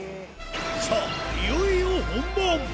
さあ、いよいよ本番。